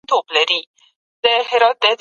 زده کوونکي تمرين کړی دی او تعليم ژور سوی دی.